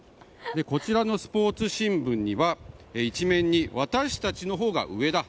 こちらのスポーツ新聞には１面に私たちのほうが上だ。